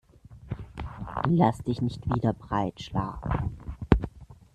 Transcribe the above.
Lass dich nicht wieder breitschlagen.